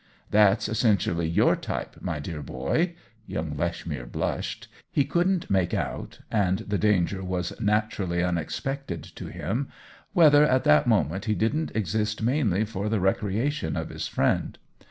"That's essentially your type, my dear boy." Young Lechmere blushed ; he couldn't make out (and the danger was naturally un expected to him) whether at that moment he didn't exist mainly for the recreation of his friend.